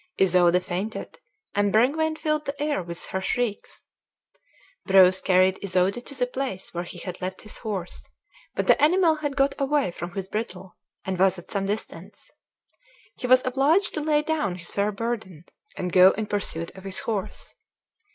Isoude fainted, and Brengwain filled the air with her shrieks. Breuse carried Isoude to the place where he had left his horse; but the animal had got away from his bridle, and was at some distance. He was obliged to lay down his fair burden, and go in pursuit of his horse.